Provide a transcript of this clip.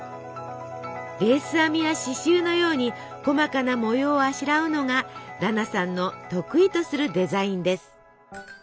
レース編みや刺繍のように細かな模様をあしらうのがダナさんの得意とするデザインです。